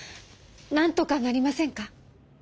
なんとかなりませんか？